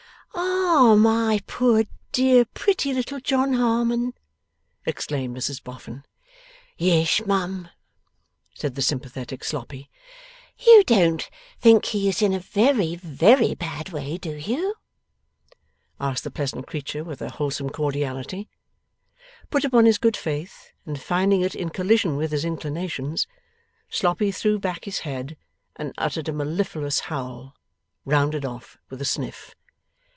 'Ah, my poor dear pretty little John Harmon!' exclaimed Mrs Boffin. 'Yes mum,' said the sympathetic Sloppy. 'You don't think he is in a very, very bad way, do you?' asked the pleasant creature with her wholesome cordiality. Put upon his good faith, and finding it in collision with his inclinations, Sloppy threw back his head and uttered a mellifluous howl, rounded off with a sniff.